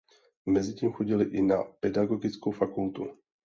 Mezitím chodil i na pedagogickou fakultu.